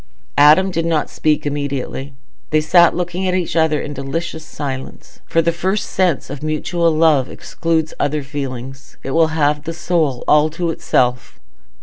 Adam did not speak immediately. They sat looking at each other in delicious silence—for the first sense of mutual love excludes other feelings; it will have the soul all to itself.